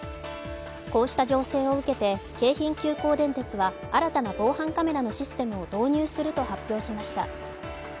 こうした情勢を受けて京浜急行電鉄は新たな防犯カメラのシステムを導入すると発表しました。